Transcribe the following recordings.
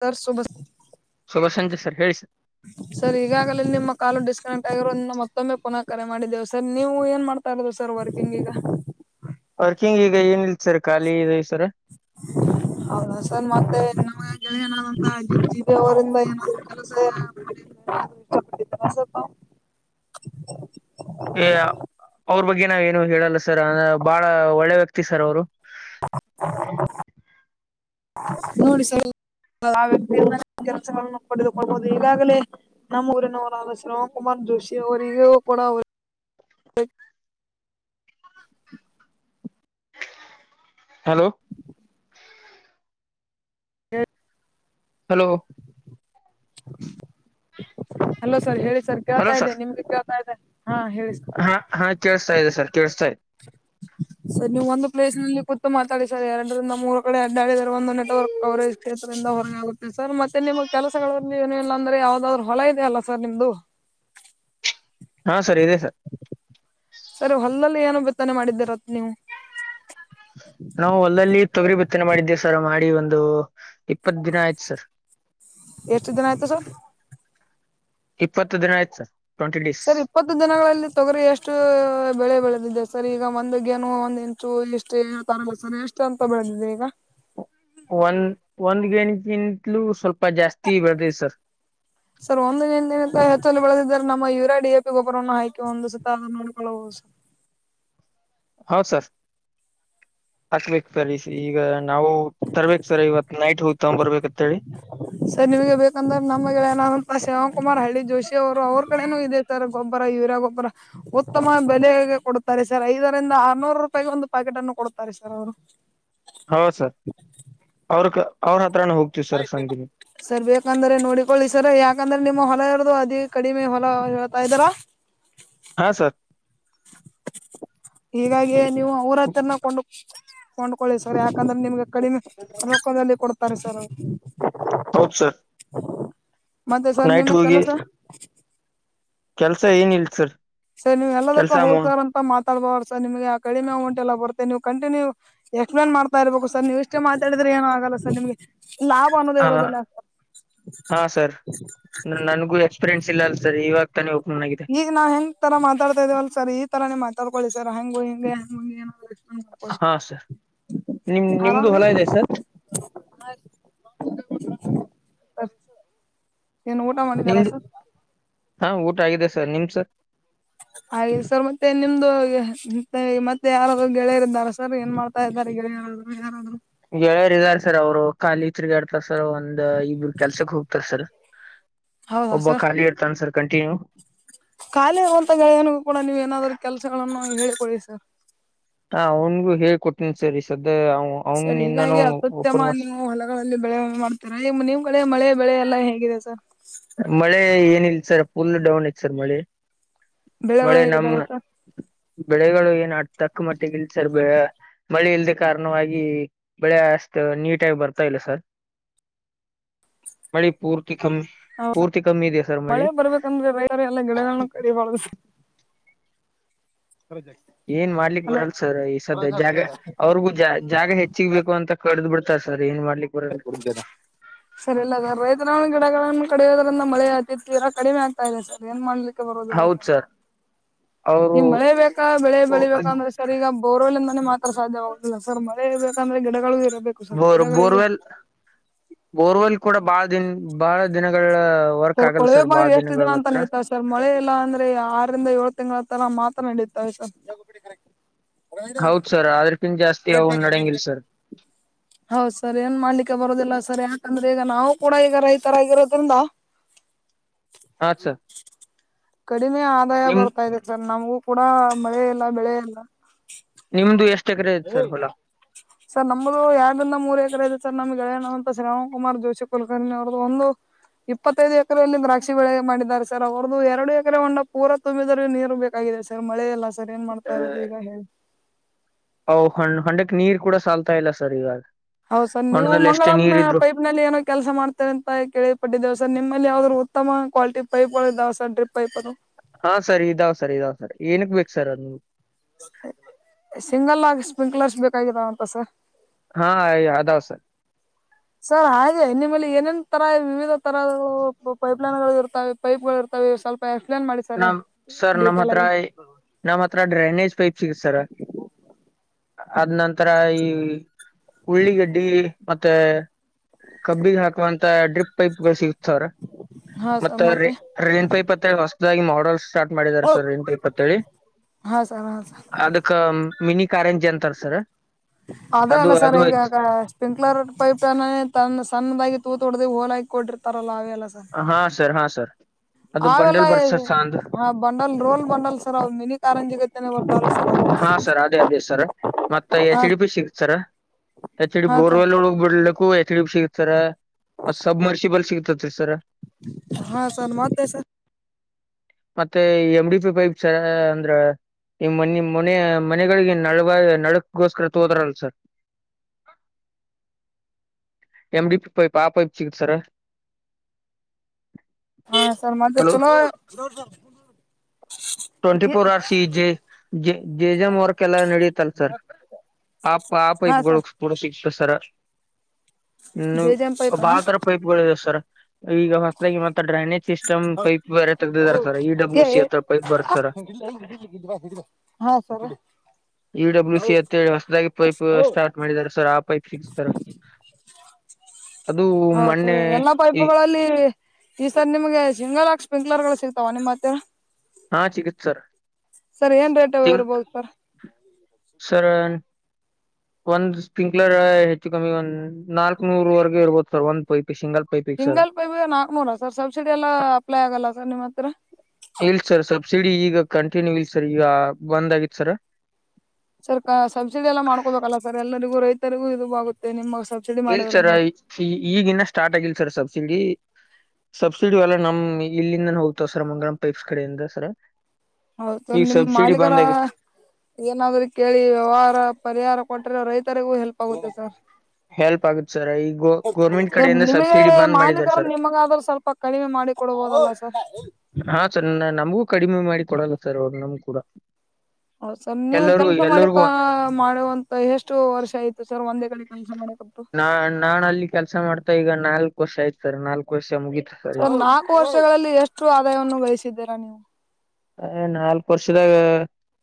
Sir ಸುಬಸ್. [unintelligible] ಶುಭ ಸಂಜೆ ಸಕರೆಸಿ. [unintelligible] Sir ಈಗಾಗಲೇ ನಿಮ್ಮ ಕಾಲ್ ಡಿಸ್ಕನೆಕ್ಟ್ ಆಗಿರುವುದರಿಂದ ಮತ್ತೊಮ್ಮೆ ಪುನಃ ಕರೆ ಮಾಡಿದ್ದೇವು ಸರ್ ನೀವು ಏನ್ ಮಾಡ್ [unintelligible] ಹೊತ್ತ ಆಗಲ್ವಾ ಸರ್ ವರ್ಕಿಂಗ್ ಈಗ. [unintelligible] ವರ್ಕಿಂಗ್ ಈಗ ಏನಿಲ್ ಸರ್ ಖಾಲಿ ಇದೆವ ಸರ್. [unintelligible] ಹೌದಾ ಸರ್ ಮತ್ತೆ ನಮ್ಮ ಗೆಳೆಯನದಂತ ಜಿವರಿಂದ ಏನ [unintelligible] ಬಸಪ್ಪ. [inaudible] [unintelligible] ಏ ಅವರ ಬಗ್ಗೆ ನಾವ ಏನು ಹೇಳಲ್ಲ ಸರ್ ಅಂದರ್ ಬಾಳ ಒಳ್ಳೆ ವ್ಯಕ್ತಿ ಸರ್ ಅವ್ರು. [unintelligible] ನೋಡಿ ಸರ್. [inaudible] [unintelligible] ಆ ವ್ಯಕ್ತಿ ಇಂದ ನಿಮ್ಮ ಕೆಲಸಗಳನ್ನು ಪಡೆದು ಕೊಳಬಹುದು ಈಗಾಗಲೇ. [unintelligible] ನಮ್ಮ ಊರಿನವರ ಆದ ಶ್ರವಣ ಕುಮಾರ್ ಜೋಶಿ ಅವರಿಗೂ ಕೂಡ [unintelligible] ಹಲೋ? ಹೇಳ. [unintelligible] ಹಲೋ? ಹಲೋ ಸರ್ ಹೇಳಿ ಸರ್. [unintelligible] ಹಲೋ ಕೇಳ್ತಾ ಇದೆ ಸರ್ ನಿಮಗ ಕೇಳ್ತಾ ಇದೆ ಹಾ ಹೇಳಿ ಸರ್. [unintelligible] ಹಾ ಹಾ ಕೇಳುಸ್ತಾ ಇದೆ ಸರ್ ಕೇಳುಸ್ತಾ ಇದೆ. [unintelligible] ಸರ್ ನೀವು ಒಂದು ಪ್ಲೇಸ್ ನಲ್ಲಿ ಕೂತು ಮಾತಾಡಿ ಸರ್ ಎರಡರಿಂದ ಮೂರು ಕಡೆ ಅಡ್ಡಾಡಿದರೆ ಒಂದು ನೆಟ್ವರ್ಕ್. [unintelligible] ಕವರೇಜ್ ಕ್ಷೇತ್ರದಿಂದ ಹೊರಗೆ ಆಗುತ್ತೆ ಸರ್ ಮತ್ತೆ ನಿಮ್ಮ ಕೆಲಸಗಳಲ್ಲಿ ಏನ ಇಲ್ಲ ಅಂದ್ರೆ ಯಾವದಾದ್ರು ಹೊಲ ಇದೆಯಾ ಅಲ್ಲ ಸರ್ ನಿಮ್ದು. [unintelligible] ಹಾ ಸರ್ ಇದೆ ಸರ್. [unintelligible] ಸರ್ ಹೊಲದಲ್ಲಿ ಏನೋ ಬಿತನೆ ಮಾಡಿದ್ದೀರತ್ ನೀವು. [unintelligible] ನಾವು ಹೊಲದಲ್ಲಿ ತೊಗರಿಬಿತ್ತನೆ ಮಾಡಿದ್ದೇವೆ ಸರ್ ಮಾಡಿ ಒಂದು ಇಪ್ಪತ್ತು ದಿನ ಆಯ್ತು ಸರ್. [unintelligible] ಎಷ್ಟು ದಿನ ಆಯ್ತು ಸರ್. [unintelligible] ಇಪ್ಪತ್ತು ದಿನ ಆಯ್ತು ಸರ್ ಟ್ವೆಂಟಿ ಡೇಸ್. ಸರ್ [unintelligible] ಇಪ್ಪತ್ತು ದಿನಗಳಲ್ಲಿ ತೊಗರಿ ಎಷ್ಟು ಬೆಳೆ ಬೆಳೆದಿದೆ ಸರ್ ಈಗ ಒಂದು ಗೇಣು ಒಂದು [unintelligible] ಚೂರು ಇಷ್ಟೇ ತರಲಸರ ಎಷ್ಟು ಅಂತ ಬೇಳೆದಿದೇ ಈಗಾ. [unintelligible] ಒಂದ್ ಒಂದ್ ಗೇಣಗಿಂತಲೂ ಸ್ವಲ್ಪ ಜಾಸ್ತಿ ಬೆಳೆದೆತ ಸರ್. [unintelligible] [unintelligible] ಸರ್ ಒಂದ ದಿನ ದಿನ ಹೆಚ್ಚಳ ಬೇಳದಿದ್ದಾರೆ ನಮ್ಮ ಯುರಾ ಡಿ ಎ ಪಿ ಗೊಬ್ರನ್ನ ಹಾಕಿ ಒಂದು ಸುತ್ತನ್ನ ನೋಡ್ಕೊಳ್ಳುವೂ [unintelligible] ಹಾ ಸರ್. [unintelligible] ಹತ್ತ ಬೇಕು ಸರ್ ಈಗ ನಾವು ತರ್ಬೇಕೇಕ್ ಸರ್ ಇವತ್ತ ನೈಟ್ ಹೋಗಿ ತೊಗೊಂದ ಬರ್ಬೇಕಿತ್ತ. [unintelligible] ಸರಿ ನಿಮಗೆ ಬೇಕಂದ್ರೆ ನಮ್ಮಗೆ ನಮ್ಮ ಗೆಳೆಯನಾದಂತ ಶ್ರವಣ್ ಕುಮಾರ್ ಹಳ್ಳಿ ಜೋಶಿ ಅವರು ಅವ್ರ ಕಡೆನೂ ಇದೆ. [unintelligible] ಇತರ ಗೊಬ್ಬರ ಯೂರಿಯಾ ಗೊಬ್ಬರ ಉತ್ತಮ ಬೆಲೆಗೆ ಕೊಡ್ತಾರೆ ಸರ್. [unintelligible] ಸರ್ ಐದರಿಂದ ಆರ್ನೂರು ರೂಪಾಯಿಗೆ ಒಂದು ಪ್ಯಾಕೆಟ್ ಅನ್ನು ಕೊಡ್ತಾರೆ ಸರ್ ಅವರು. [unintelligible] ಹೌದ ಸರ್ ಅವರಕ ಅವ್ರ ಹತ್ರಾನ ಹೋಗ [unintelligible] ಐದ ದಿನಾ. [unintelligible] ಸರ್ ಬೇಕಂದ್ರೆ ನೋಡಿಕೊಳ್ಳಿ ಸರ್ ಯಾಕಂದ್ರೆ ನಿಮ್ಮ ಹೊಲ ಇರದು ಅದೇ ಕಡಿಮೆ ಹೊಲ ಹೇಳ್ತಾ ಇದ್ದೀರಾ. [unintelligible] ಹಾ ಸರ್. [unintelligible] ಹೀಗಾಗಿ ನೀವು ಅವರ ಹತ್ರರನ ಕೊಂಡ ಕೊಂಡ್ಕಳ ಸರ್ ಯಾಕಂದ್ರೆ ನಿಮಗೆ ಕಡಿಮೆ. [unintelligible] ತೂಕದಲ್ಲಿ ಕೊಡ್ತಾರೆ ಸರ್ ಅವರು. [unintelligible] ಹೌದ ಸರ್. [unintelligible] ಮತ್ತೆ ಸರ್ ನೈಟ್ ನಿಮ್ಮ ಕೆಲಸ. [unintelligible] ಕೆಲಸ ಏನ ಇಲ್ಲ ಸರ್. [unintelligible] ಸರ್ ನೀವ್ ಎಲ್ಲದಕ್ಕೋ ಕೆಲ್ಸ ಹೋದ ಮು ಸರ್ ಅನ [unintelligible] ಮಾತಾಡ್ಬೋರ್ ಸರ್ ಕಡಿಮೆ ಅಮೌಂಟ್ ಎಲ್ಲ ಬರುತ್ತೆ ನೀವು ಕಂಟಿನ್ಯೂ ಎಕ್ಸ್ಪ್ಲೇನ್ ಮಾಡ್ತಾ ಇರ್ಬೇಕು ಸರ್ ನೀವು ಇಷ್ಟ್ ಮಾತಾಡಿದ್ರೆ ಏನೋ ಆಗಲ್ಲ ಸರ್ ನಿಮ್ಗೆ ಲಾಭ ಅನ್ನೋದ ಹ ಇರೋದಲ್ಲ ಹಾ ಸರ್ ನನಗೂ ಎಕ್ಸ್ಪೀರಿಯನ್ಸ್ ಇಲ್ಲ ಅಲ್ಲ ಸರ್ ಇವಾಗ ತಾನೇ ಓಪನ್ ಆಗಿದೆ ಈಗ ನಾ ಹೆಂಗ ತರ ಮಾತಾಡ್ತಾ ಇದೇವಲ್ ಸರ್ ಈ ತರ ನೀ ಮಾತಾಡ್ಕೊಳ್ಳಿ ಸರ್ ಹಂಗೂ ಹಿಂಗೆ ಹಂಗೂ ಹಿಂಗೆ [unintelligible] ಹಾ ಸರ್ ನಿಮ್ ನಿಮ್ದು ಆರಾಮ್ರೀ ಹೊಲ ಇದೆ ಸರ್ [unintelligible] ಸರ್ ಏನ್ ಊಟ ಮಾಡಿದಾರಾ ನಿಮ್ದು ಸರ್ ಹಾ ಊಟ ಆಗಿದೆ ಸರ್ ನಿಮ್ದ್ ಸರ್ ಆಗಿದೆ ಸರ್ ಮತ್ತೆ ನಿಮ್ದು ಮತ್ತೆ ಯಾರಾದರು ಗೆಳೆಯರಿದ್ದಾರಾ ಸರ್ ಏನ್ ಮಾಡು [unintelligible] ಗೆಳೆಯರೂ ಯಾರಾದರೂ ಗೆಳೆಯರ್ ಇದಾರ ಸರ್ ಅವ್ರು ಖಾಲಿ ತಿರ್ಗಾಡ್ತಾರೆ ಸರ್ ಒಂದ್ ಇಬ್ರು ಕೆಲ್ಸಕ್ ಹೋಗ್ತಾರ ಸರ್ ಹೌದಾ ಒಬ್ಬ ಸರ್ ಖಾಲಿ ಇರ್ತಾನ ಸರ್ ಕಂಟಿನ್ಯೂ ಖಾಲಿ ಆಗುವಂತ ಗೆಳೆಯನಿಗೂ ಕೂಡ ನೀವ ಏನಾದ್ರು ಕೆಲಸಗಳನ್ನು ಹೇಳ್ಕೊಳ್ಳಿ ಸರ್ ಹಾ ಅವನ್ಗೂ ಹೇಳಿ ಕೊಟ್ಟೀನಿ ಸರ್ ಈ ಸದ್ಯ ಅವು ಸರ್ ಹೀಗಾಗಿ ಅಪತ್ಯಮಾ ನೀವು ಹೊಲ ಅಲ್ಲಿ ಬೆಳೆ ವಿಮೆ ಮಾಡ್ತಾರ ಈಗ ನಿಮ್ ಕಡೆ ಮಳೆ ಬೆಳೆ ಎಲ್ಲಾ ಹೇಗಿದೆ ಸರ್ ಮಳೆ ಏನಿಲ್ಲ ಸರ್ ಫುಲ್ ಡೌನ್ ಐತ್ ಸರ್ ಮಳೆ [inaudible] ಬೆಳೆಗಳು ಮಳೆ ನಮ್ಮ್ ಹೇಗಿದ್ದಾವೆ ಸರ್ ಬೆಳೆಗಳು ಏನ್ ಅಡ್ತಕ್ಕ ಮಟ್ಟಿಗಿಲ್ ಸರ್ ಬೆಳೆ ಮಳೆ ಇಲ್ದ ಕಾರಣವಾಗಿ ಬೆಳೆ ಅಸ್ಟ್ ನೀಟಾಗಿ ಬರ್ತಾ ಇಲ್ಲ ಸರ್. [inaudible] [inaudible] ಮಳಿ ಪೂರ್ತಿ ಕಮ್ಮ ಪೂರ್ತಿ ಕಮ್ಮಿದೆ ಸರ್ ಮಳಿ [unintelligible] ಎಲ್ಲ ಗಿಡಗಳನ್ನು ಕಡಿಯಬಾರದು ಸರ್ [unintelligible] ಏನ್ ಮಾಡ್ಲಿಕ್ ಅಲ ಬರಲ್ಲ ಸರ್ ಈ ಸದ್ದ ಜಾಗ ಅವ್ರಗೂ ಜಾ ಜಾಗ ಹೆಚ್ಚಿಗ್ಬೇಕು ಅಂತ ಕಡದ್ ಬಿಡ್ತಾರೆ ಸರ್ ಏನ್ ಮಾಡ್ಲಿಕ್ಕೆ [unintelligible] ಸರ್ ಇಲ್ಲ ಸರ್ ರೈತರ ಗಿಡಗಳನ್ನು ಕಡಿಯೋದ್ರಿಂದ ಮಳೆ ಅತಿ ತೀರ ಕಡಿಮೆ ಆಗ್ತಾ ಇದೆ ಸರ್ ಏನ್ ಮಾಡ್ಲಿ ಕ್ಕೆ ಬರೋದಲ್ಲ ಸರ್. ಅವರು ಈಗ ಮಳೆ ಬೇಕಾ ಬೆಳೆ ಬೆಳಿಬೇಕಾ ಅನ್ನೊ ಸರ್ ಈಗ ಬೋರವೆಲ್ಲ್ನಿಂದನೆ ಮಾತ್ರ ಸಾಧ್ಯವಾಗುತ್ತದೆ ಸರ್ ಮಳೆ ಇರ್ಬೇಕಂದ್ರೆ ಗಿಡಗಳು ಇರಬೇಕು ಸರ್ ಬೋರ್ ಗಿಡಗಳಿಗೆ ಬೋರ್ವೆಲ್ ಬೋರ್ವೆಲ್ ಕೂಡ ಬಾಳ್ ದಿನ ಬಾಳ ದಿನಗಳ ವರ್ಕ್ ಸರ್ ಆಗಲ್ಲ ಕೊಳವೆ ಬಾಳ ಬಾವಿ ಎಷ್ಟ ದಿನಗಳ ದಿನಾಂತ ಹತ್ರ ಅಲ್ಲಿರ್ತಾವ್ ಸರ್ ಸರ್ ಮಳೆ ಇಲ್ಲಾ ಅಂದ್ರೆ ಆರಿಂದ ಏಳ ತಿಂಗಳ ತನ ಮಾತ್ರ ನಡೀತಾವೆ ಸರ್ [unintelligible] ಹೌದ ಸರ್ ಅದ್ರಕಿನ್ ಜಾಸ್ತಿ ಯಾವು ನಡೆಂಗಿಲ್ ಸರ್. [inaudible] ಹೌದ್ ಸರ್ ಏನ್ ಮಾಡ್ಲಿಕ್ಕೆ ಬರೋದಿಲ್ಲ ಸರ್ ಯಾಕಂದ್ರೆ ಈಗ ನಾವು ಕೂಡ ಈಗ ರೈತರ ಆಗಿರೋದ್ರಿಂದ ಹಾ ಸರ್ [inaudible] ಕಡಿಮೆ ಆದಾಯ ನಿಮ್ ಬರ್ತಾ ಇದೆ ಸರ್ ನಮಗೂ ಕೂಡಾ ಮಳೆ ಇಲ್ಲಾ ಬೆಳೆ ಇಲ್ಲಾ ನಿಮ್ದು ಎಷ್ಟ್ ಎಕರೆ ಐತ್ ಸರ್ ಏಯ್ ಹೊಲ [unintelligible] ಸರ್ ನಮ್ದು ಆಡ್ರಿಂದ ಮೂರ್ ಎಕರ ಇದೆ ಸರ್ ನಮ್ ಗೆಳೆಯಾ ಅನ್ನುವಂತ ಶ್ರವಣಕುಮಾರ್ ಜೋಶಿ ಕುಲಕರ್ಣಿ ಅವರ್ದು ಒಂದು ಇಪ್ಪತ್ತೈದು ಎಕರೆಯಲ್ಲಿ ದ್ರಾಕ್ಷಿ ಬೆಳೆ ಮಾಡಿದ್ದಾರೆ ಸರ್ ಅವ್ರ್ದು ಎರಡು ಎಕರೆ ಹೊಂಡ ಪೂರ ತುಂಬಿದರೆ ನೀರು ಬೇಕಾಗಿದೆ ಸರ್ ಮಳೆಯಲ್ಲಾ ಸರ್ ಏನ್ ಮಾಡ್ತಾ ಇರೋದು ಈಗ ಹೇಳಿ ಔ ಹಳ್ ಹಂಡೆಕ್ ನೀರ್ ಕೂಡ ಸಲ್ತಾ ಇಲ್ಲ ಸರ್ ಈಗಾ ಹೌದ ಸರ್ ನೀವು ಮಂಗಳಮ್ಮ ಪೈ ನಿಮ್ಮಲ್ಲಿ ಏನೋ ಕೆಲಸ ಮಾಡ್ತಾರೆ ಅಂತ ಕೇಳ ಪಟ್ಟಿದ್ದೇವ ಸರ್ ನಿಮ್ಮಲ್ಲಿ ಯಾವ್ದ್ರು ಉತ್ತಮ ಕ್ವಾಲಟಿ ಪೈಪ್ಗಳು ಇದಾವ ಸರ್ ಡ್ರಿಪ್ ಪೈಪ್ ಅದು ಹಾ ಸರ್ ಇದಾವ್ ಸರ್ ಇದಾವ್ ಸರ್ ಏನಕ್ ಬೇಕು ಸರ್ ಅದು? ಸಿಂಗಲ್ ಆಗ ಸ್ಪ್ರಿಂಕ್ಲರ್ಸ್ ಬೇಕಾಗಿದಾವ ಅಂತ ಸರ್. ಹಾ ಅದಾವ ಸರ್ - ಸರ್ ಹಾಗೆ ನಿಮ್ಮಲ್ಲಿ ಏನೇನ್ ತರ ವಿವಿಧ ತರ ಪೈಪ್ಲೈನ್ ಗಳು ಇರ್ತೆ ಪೈಪ್ ಗಳು ಇರ್ತಾವೆ ಸ್ವಲ್ಪ ಪೈಪ್ಲೈನ್ ಮಾಡಿರ್ತಾರೆ ಸರ್ ಡೇಟಲ್ ಆಗಿ - ನಮ್ಮ್ ಹತ್ರ ಡ್ರೈನೇಜ್ ಪೈಪ್ ಸಿಗತ್ತ ಸರ್ ಆದ್ ನಂತರ ಈ ಉಳ್ಳಿಗಡ್ಡಿ ಮತ್ತೆ ಕಬ್ಬಿಗೆ ಹಾಕುವಂತ ಡ್ರಿಪ್ ಪೈಪ್ ಸಿಗತಾವ್ರ ಹಾ ಮತ್ತ ಸರ್ ಮತ್ತೆ ರೈನ್ ಪೈಪ್ ಮತ್ತೆ ಹೊಸದಾಗಿ ಮಾಡಲ್ ಸ್ಟಾರ್ಟ್ ಮಾಡಿದ್ದಾರೆ ಸರ್ ಇನ್ಟಿಪ್ಪ ಹೇಳಿ ಹಾ ಸರ್ ಹಾ ಸರ್ ಅದಕ್ಕ ಮಿನಿ ಕಾರ್ ಗೆಲ್ಲತಾರ್ ಸರ್ ಅದೇ ಅದು ಅಲ್ಲ ಸರ್ ಅದು ಈಗ ಐತ್ ಪಿಂಕ್ಲರ್ ಪೈಪ್ತ [unintelligible] ಸಣ್ಣದಾಗಿ ತೂತ ಹೊಡ್ದ ಹೋಲ್ ಹಾಕಿ ಕೊಟ್ಟಿರ್ತಾರಲ್ಲ ಅವೆಲ್ಲ ಸರ್ ಹಾ ಸರ್ ಹಾ ಸರ್ ಅದು ಅವೆಲ್ಲ ಬಂಡೆಲ್ ಬರ್ಸರ್ ಸಾನದು ಹಾ bundle roll bundle sir mini ಕಾರಂಜಿಗತೇ [unintelligible] ಹಾ ಸರ್ ಅದೇ ಅದೇ ಸರ್ ಮತ್ತ ಹಾ ಎಚ್ ಡಿ ಪಿ ಸಿಗತ್ ಸರ ಎಚ್ಡಿ ಹಾ ಸರ್ ಬೋರ್ವೆಲ್ ಹ ಬಿಡ್ಲಕ್ಕು ಎಚ್ಡಿ ಸಿಗತರ ಮತ್ ಸಬ್ ಮರ್ಸಿಬಲ್ ಸಿಗತತ್ರಿ ಸರ್. ಹಾ ಸರ್ ಮತ್ತೆ ಸರ್ ಮತ್ತೆ ಎಮ್ ಡಿ ಪಿ ಪೈಪ್ಸ್ ಅಂದ್ರ ನಿಮ್ಮ್ ಮನಿ ಮನೆ ಮನೆಗಳಿಗೆ ನಡಗ ನಡಗೋಸ್ಕರ ತೋದ್ರಲ್ಲ ಸರ್- [inaudible] ಎಮ ಡಿ ಪೀ ಆ ಪೈಪ್ ಸಿಗತ್ತ ಸರ ಹಾ ಸರ್ ಮತ್ತ ಹಲೋ ಚಲೋ twenty four hours C J E J J work ಎಲ್ಲಾ ನಡಿಯುತಂತ ಸರ್ ಆ ಆ ಹಾ ಪೈಪ್ಗಳು ಸರ್ ಕೂಡ ಸಿಗ್ತ ಸರ ಹ್ಮ ಜೆ ಜೆ ಎಂ ಪೈಪ್ ಬಾಳತರ ಪೈಪಗಳು ಇವೇ ಸರ್ ಈಗ ಹೊಸದಾಗಿ ಮತ್ತ ಡ್ರೈನೇಜ್ ಸಿಸ್ಟಮ್ ಪೈಪ್ ಬೇರೆ ತಗ್ದಿದಾರ ಸರ್ ಈ ಏ ಬ್ಲ್ಯ ಸಿ ಹತ್ರ ಪೈಪ್ ಬರ್ತ ಹಾ ಸರಿ. ಇ ಡಬ್ಲ್ಯೂ ಸಿ ಅಂತ ಹೇಳಿ ಹೊಸದಾಗಿ ಪೈಪ್ ಸ್ಟಾರ್ಟ್ ಮಾಡಿದ್ದಾರ ಸರ್ ಆ ಪೈಪ್ ಸಿಗಸ್ತಾರ ಅದು ಮನ್ನೆ ಈ ಇಲ್ಲಿ ಈ ಸರ್ ನಿಮ್ಗೆ ಸಿಂಗಲ್ ಆಗಿ ಸ್ಪ್ರಿಂಕ್ಲರ್ ಗಳು ಸಿಗ್ತಾವ ನಿಮ್ ಮತ್ತ - ಹಾ ಸಿಗತ್ತ ಸರ್. ಸರಿ ಏನ್ ರೇಟ್ ಇರ್ಬೋದು ಅದಕ್ಕ? ಸರ- ಒಂದ್ ಸ್ಪಿಂಕ್ಲರ್ ಹೆಚ್ಚು ಕಮ್ಮಿ ಒಂದ್ ನಾಲ್ಕ್ ನೂರ್ ವರೆಗೆ ಇರ್ಬೋದು ಸರ್ ಒಂದ್ ಪೈಪ್. ಸಿಂಗಲ್ ಪೈಪೆಗೆ ಸರ್ ಈವಾಗ ನಾಕ್ನೂರ ಸರ್ ಸಬ್ಸಿಡಿ ಎಲ್ಲ ಅಪ್ಲೈ ಆಗಲ್ಲ ಸರ್ ನಿಮ್ಮ ಹತ್ರ ಇಲ್ ಸರ್ ಸಬ್ಸಿಡಿ ಈಗ ಕಂಟಿನ್ಯೂ ಇಲ್ ಸರ್ ಈಗ ಬಂದ್ ಆಗಿತ್ತು ಸರ. ಸರ್ ಕ ಸಬ್ಸಿಡಿ ಎಲ್ಲಾ ಮಾಡ್ಕೊಬೇಕಲ್ಲ ಸರ್ ಎಲ್ಲರಿಗೂ ರೈತರಿಗೂ ಇದು ಆಗುತ್ತೆ ನಿಮ್ ಇಲ್ ಸರ್ ಈಗಿನ್ನ ಸ್ಟಾರ್ಟ್ ಆಗಿಲ್ ಸರ್ ಸಬ್ಸಿಡಿ. ಸಬ್ಸಿಡಿ ಎಲ್ಲಾ ನಮ್ ಇಲ್ಲಿಂದ ಹೋಗ್ತವ ಸರ ಮಂಗಳ್ ಪೈಪ್ಸ್ ಕಡೆಯಿಂದ ಸರ - ಹೌದು ನಿಮ್ಮ ಮಾಲೀಗರ ಏನಾದ್ರು ಕೇಳಿ ವ್ಯವಹಾರ ಪರಿಹಾರ ಕೊಟ್ರೆ ರೈತರಿಗೂ ಹೆಲ್ಪ್ ಆಗುತ್ತೆ ಸರ್. ಹೆಲ್ಪ್ ಆಗುತ್ತೆ ಸರ್ ಈಗ ಗೋರ್ಮೆಂಟ್ ಕಡೆಯಿಂದ ನಿಮಗೆ ಸಬ್ಸಿಡಿ ಬಂದ್ ಮಾಡಿದ್ದಾರೆ ಮಾಲೀಕರು ಸರ್ ನಿಮಗ ಆದ್ರ ಸ್ವಲ್ಪ ಕಡಿಮೆ ಮಾಡಿ ಕೊಡಬೋದಲ್ಲ ಸರ್. ಹಾ ಸರ್ ನಮಗೂ ಕಡಿಮೆ ಮಾಡಿ ಕೊಡಲ್ಲ ಸರ್ ಅವ್ರು ನಮ್ ಕೂಡ. ಹೌದ್ಸ ನೀವು ಎಲ್ಲರಿಗೂ ಕೆಲಸ ಮಾಡ್ಳಿಕ ಎಲ್ಲರಿಗೂ ಮಾಡುವಂತ ಅ ಎಷ್ಟು ವರ್ಷ ಆಯ್ತು ಸರ್ ಒಂದೇ ಕಡೆ ಕೆಲಸ ಮಾಡಕತ್ತು. ನಾ ನಾನಲ್ಲಿ ಕೆಲ್ಸ ಮಾಡ್ತಾ ಈಗ ನಾಲ್ಕ ವರ್ಷ ಆಯ್ತ್ ಸರ್ ನಾಲ್ಕು ವರ್ಷ ಮುಗೀತ. ಸರ್ ನಾಲ್ಕು ವರ್ಷಗಳಲ್ಲಿ ಎಷ್ಟರು ಆದಾಯವನ್ನು ಗಳಿಸಿದ್ದೀರಾ ನೀವು. ಅ ನಾಲ್ಕು ವರ್ಷದಾಗ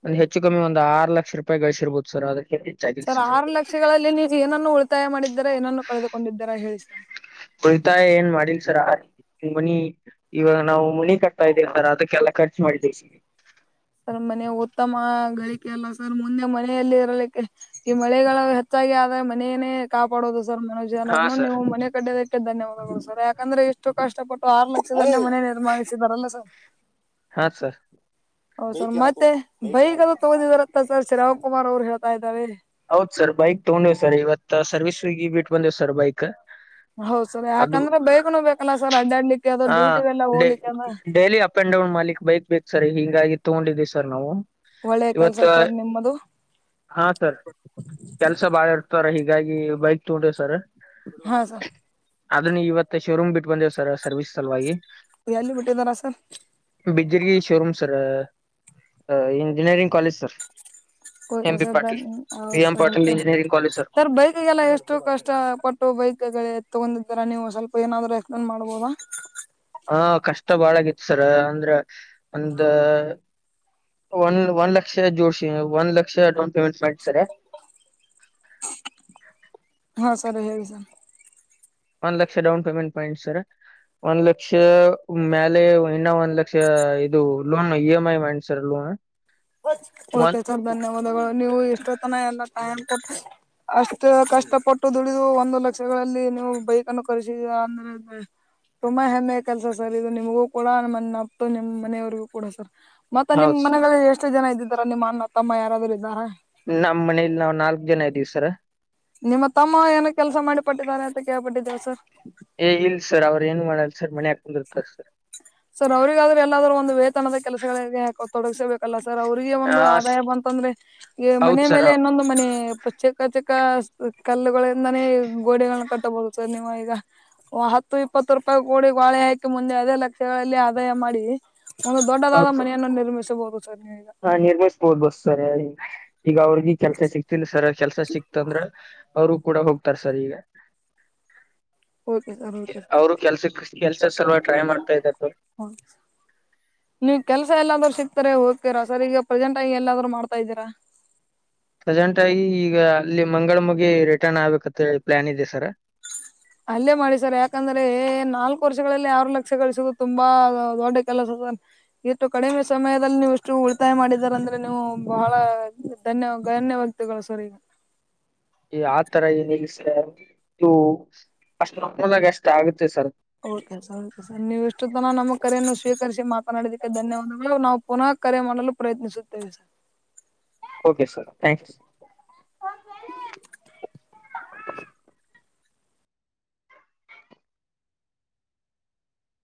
ಒಂದ್ ಹೆಚ್ಚು ಕಮ್ಮಿ ಒಂದ್ ಆರು ಲಕ್ಷ ರೂಪಾಯಿ ಗಳಿಸಿರ್ಬೋದು ಸರ್ ಅದಕ್ಕೆ. ಸರ್ ಆರು ಲಕ್ಷಗಳಲ್ಲಿ ನೀವು ಏನನ್ನು ಉಳಿತಾಯ ಮಾಡಿದ್ದೀರ ಏನನ್ನು ಕಳೆದುಕೊಂಡಿದ್ದರಾ ಹೇಳಿ ಸರ್. ಉಳಿತಾಯ ಏನ್ ಮಾಡಿಲ್ ಸರ. ಮನಿ ಇವಾಗ ನಾವು ಮನಿ ಕಟ್ತಾ ಇದವಿ ಸರ ಅದಕ್ಕೆಲ್ಲಾ ಖರ್ಚು ಮಾಡಿದ್ದೇವಿ. ಸರ್ ಮನೆ ಉತ್ತಮ ಗಳಿಕೆ ಅಲ್ಲ ಸರ್ ಮುಂದೆ ಮನೆಯಲ್ಲಿ ಇರಲಿಕ್ಕೆ. ಈ ಮಳೆಗಳ ಹೆಚ್ಚಾಗಿ ಆದ್ರೆ ಮನೇನೆೇ ಕಾಪಾಡೋದು ಸರ್ ಹಾ ಮನುಜನರನು ಸರ್ ನೀವು ಮನೆ ಕಟ್ಟಿದ ದಕ್ಕೆ ಧನ್ಯವಾದಗಳು ಸರ್ ಯಾಕಂದ್ರೆ ಇಷ್ಟು ಕಷ್ಟಪಟ್ಟು ಆರು ಲಕ್ಷದಲ್ಲಿ ಮನೆ ನಿರ್ಮಾಣಿಸಿದಾರಲ್ಲ ಸರ್. ಹಾಂ ಸರ್. ಹೌದಾ ಸರ್ ಮತ್ತೆ ಬೈಕೆಲ್ಲಾ ತಗೋದಿದಾರತ್ತ ಸರ್ ಶ್ರೀರಾವ್ಕುಮಾರ್ ಅವರು ಹೇಳ್ತಾ ಇದ್ದಾರೆ. ಹೌದ್ ಸರ್ ಬೈಕ್ ತಗೊಂಡಿವ್ ಸರ್ ಇವತ್ ಸರ್ವಿಸ್ಸಿಗಿ ಬಿಟ್ಟ ಬಂದೇವ್ ಸರ್ ಬೈಕ. ಹೌದ್ ಸರ್ ಯಾಕಂದ್ರೆ ಬೈೇಕನ ಬೇಕಲ್ಲಾ ಸರ್ ಅಡ್ಡಾಡ್ಲಿಕ್ಕೆ ಅತವಾ ಹಾ ಡ್ಯೂಟಿ ಎಲ್ಲ ಡೇ ಹೋಗ್ಲಿಕ್ಕೆನ. ಡೈಲಿ ಅಪ್ ಅಂಡ ಡೌನ್ ಮಾಡ್ಲಿಕ್ ಬೈಕ್ ಬೇಕ ಸರ್ ಹಂಗಾಗಿ ತಗೊಂಡಿದ್ದೀವಿ ಸರ್ ನಾವು. ಒಳ್ಳೆ ಕೆಲ್ಸ ಇವತ್ತ ಸರ್ ನಿಮ್ಮದು ಹಾ ಸರ್. ಕೆಲ್ಸ ಬಾಳ ಇರ್ತಾರ ಹೀಗಾಗಿ ಬೈಕ್ ತೊಗೊಂಡಿವಿ ಸರ್. ಹಾಂ ಸರ್. ಅದನ ಇವತ್ತ ಶೋರೂಮ್ ಬಿಟ್ಟ್ ಬಂದೇವಿ ಸರ್ ಸರ್ವಿಸ್ ಸಲುವಾಗಿ. ಎಲ್ಲಿ ಬಿಟ್ಟಿದ್ದಾರಾ sir. Bijjargi showroom sir engineering college sir. M B Patil B M Patil [unintelligible] engineering college sir ಬೈಕಿ ಗೆಲ್ಲ ಎಷ್ಟ ಎಷ್ಟು ಕಷ್ಟ ಪಟ್ಟು ಬೈಕ್ಗಳ ತಗೊಂದಿದಿರ ನೀವು ಸ್ವಲ್ಪ ಏನಾದರೂ ಎಕ್ಸ್ ಪ್ಲೇನ್ ಮಾಡ್ಬೋದ. ಹಾ ಕಷ್ಟ ಬಾಳಗೈತಿ ಸರ ಅಂದ್ರ ಒಂದ. ಒನ್ ಒಂದ್ ಲಕ್ಷ ಜೋಡ್ಸಿನಿ ಒಂದ್ ಲಕ್ಷ ಡೌನ್ ಪೇಮೆಂಟ್ ಮಾಡಿನ್ ಸರ. ಹಾ ಸರ್ ಹೇಳಿ ಸರ್. ಒಂದ್ ಲಕ್ಷ ಡೌನ್ ಪೇಮೆಂಟ್ ಮಾಡಿನಿ ಸರ. ಒಂದ್ ಲಕ್ಷ ಮ್ಯಾಲೆ ಇನ್ನ ಒಂದ್ ಲಕ್ಷ ಇದು ಲೋನ್ ಇ ಎಂ ಐ ಮಾಡಿನ್ ಸರ್ ಲೋನ. ಹೊಚ್ ಓಕೆ ಸರ್ ಧನ್ಯವಾದಗಳು ನೀವು ಎಷ್ಟೋತ್ತನ ಎಲ್ಲ ಟೈಮ್ ಕೊಟ್ರಿ. ಅಷ್ಟ ಕಷ್ಟಪಟ್ಟು ದುಡಿದು ಒಂದು ಲಕ್ಷಗಳಲ್ಲಿ ನೀವು ಬೈಕ್ ಅನ್ನು ಕರೆಸಿದಿರಾ ಅಂದ್ರೆೆ. ತುಂಬಾ ಹೆಮ್ಮೆ ಕೆಲ್ಸ ಸರ್ ಇದು ನಿಮಗೂ ಕೂಡ ನಿಮ್ ಅಪ್ ನಿಮ್ ಮನೆಯವರಿಗೂ ಕೂಡ ಸರ್. ಮತ್ತೆ ನಿಮ್ ಹೌದ್ ಮನೆಗಳಲ್ಲಿ ಎಷ್ಟು ಜನ ಇದ್ದಿದಾರ ನಿಮ್ಮ ಅನ್ನ ತಮ್ಮ ಯಾರಾದರೂ ಇದ್ದಾರಾ. ನಮ್ ಮನೇಲಿ ನಾವು ನಾಲ್ಕು ಜನ ಇದ್ದೀವಿ ಸರ. ನಿಮ್ಮ ತಮ್ಮ ಏನ ಕೆಲಸ ಮಾಡಿಪಟ್ಟಿದ್ದಾರೆ ಅಂತ ಕೇಳ್ಪಟ್ಟಿದ್ದೇವೆ ಸರ್. ಏ ಇಲ್ ಸರ್ ಅವ್ರು ಏನು ಮಾಡಲ್ಲ ಸರ್ ಮನ್ಯಾಗ ಕುಂದರ್ತಾರ ಸರ್. ಸರ್ ಅವ್ರಿಗಾದರು ಎಲ್ಲಾದ್ರು ಒಂದು ವೇತನದ ಕೆಲಸಗಳಲ್ಲಿ ತೊಡಗಿಸಬೇಕು. ಅಲ್ಲ ಸರ್ ಅವ್ರಿಗೆ ಒಂದು ಆದಾಯ ಬಂತಂದ್ರೆ ಈ ಮನೆ ಹೌದ್ ಸರ್ ಮೇಲೆ ಇನ್ನೊಂದು ಮನೆ ಪರ್ಚೇಸ್ ಚಿಕ್ಕ ಚಿಕ್ಕ ಕಲ್ಲುಗಳಿಂದಾನೇ ಗೋಡೆಗಳನ್ನ ಕಟ್ಟಬಹುದ್ ಸರ್ ನೀವು ಈಗ. ಓ ಹತ್ತು ಇಪ್ಪತ್ತು ರೂಪಾಯಿ ಕೂಡಿ ಬಾಳೆ ಹಾಕಿ ಮುಂದೆ ಅದೇ ಲ್ ಗಳಲ್ಲಿ ಆದಾಯ ಮಾಡಿ ಒಂದು ದೊಡ್ಡದಾದ ಹೌದ್ ಸರ್ ಮನೆಯನ್ನು ನಿರ್ಮಿಸಬಹುದು ಸರ್ ನೀವೀಗ. ಹಾ ನಿರ್ಮಯಿಸಬೋದ ಬಸ್ ಸರ್ ಈಗ ಅವ್ರಿಗಿ ಕೆಲ್ಸ ಸಿಕ್ತಿಲ್ಲ ಸರ್ ಕೆಲ್ಸ ಸಿಕ್ತಂದ್ರ. ಅವರು ಕೂಡ ಹೋಗ್ತಾರೆ ಸರ್ ಈಗ. ಓಕೆ ಸರ್ ಓಕೆ ಅವರು ಕೆಲ್ಸಕ್ ಕೆಲ್ಸ ಸಲುವಾಗಿ ಟ್ರೈ ಮಾಡ್ತಾ ಇದ್ದಾರೆ ಸರ್. ಹಾ ನೀವ್ ಕೆಲಸ ಎಲ್ಲಾದ್ರೂ ಸಿಕ್ತಾರೆ ಓಕೆರ ಸರ್ ಈಗ ಪ್ರೆಸೆಂಟ್ ಎಲ್ಲಾದ್ರು ಮಾಡತಾ ಇದ್ದೀರಾ. ಪ್ರಜೆಂಟ್ ಆಗಿ ಈಗ ಅಲ್ಲಿ ಮಂಗಳ ಮುಗಿ ರಿಟರ್ನ್ ಆಗ್ಬೇಕಂತ ಹೇಳಿ ಪ್ಲ್ಯಾನ್ ಇದೆ ಸರ್. ಅಲ್ಲೇ ಮಾಡಿ ಸರ್ ಯಾಕಂದ್ರೆ ನಾಲ್ಕು ವರ್ಷಗಳಲ್ಲಿ ಆರು ಲಕ್ಷ ಗಳಿಸೋದು ತುಂಬಾ ದೊಡ್ಡ ಕೆಲಸ ಸರ್. ಇಟ್ಟು ಕಡಿಮೆ ಸಮಯದಲ್ಲಿ ನೀವು ಇಷ್ಟು ಉಳಿತಾಯ ಮಾಡಿದರ ಅಂದ್ರೆ ನೀವು ಬಹಳ ಧನ್ಯ ಗಣ್ಯ ವ್ಯ ಕ್ತಿಗೋಳ್ ಸರ್ ಈಗಾ. ಈಗ್ ಆ ತರ ಏನಿಲ್ಲ ಸರ್ ಇವು ಅಷ್ಟ [unintelligible] ಅಷ್ಟ ಆಗುತ್ತೆ ಸರ್. ಹೋಗ್ ಕೆಲ್ಸ [unintelligible] ಸರ್ ನೀವುಷ್ಟೋತನ ನಮ್ಮ ಕರೆಯನ್ನು ಸ್ವೀಕರಿಸಿ ಮಾತನಾಡಿದಕ್ಕೆ ಧನ್ಯವಾದಗಳು ನಾವು ಪುನಃ ಕರೆ ಮಾಡಲು ಪ್ರಯತ್ನಿಸುತ್ತೇವೆ ಸರ್. ಓಕೆ ಸರ್ ಥ್ಯಾಂಕು ಸ